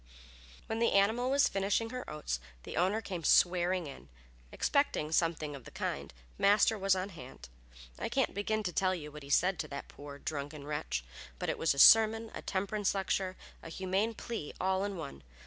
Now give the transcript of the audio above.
When the animal was finishing her oats the owner came swearing in. Expecting something of the kind, Master was on hand. I can't begin to tell you all he said to that poor, drunken wretch, but it was a sermon, a temperance lecture, and a humane plea all in one.